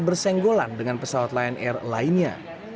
bersenggolan dengan pesawat lion air lainnya